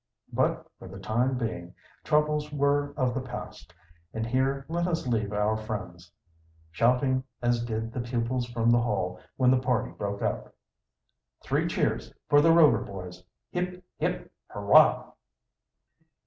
But for the time being troubles were of the past, and here let us leave our friends, shouting as did the pupils from the Hall when the party broke up: "Three cheers for the Rover Boys! Hip, hip, hurrah!"